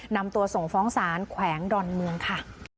นำตัวส่งฟ้องศาลแขวงดอนเมืองค่ะ